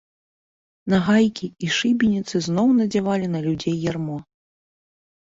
Нагайкі і шыбеніцы зноў надзявалі на людзей ярмо.